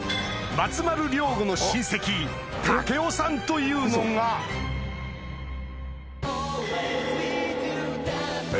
松丸亮吾の親戚赳夫さんというのがえ！